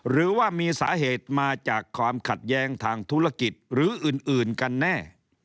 หรือว่ามีสาเหตุมาจากความขัดแย้งทางธุรกิจหรืออื่นกันแน่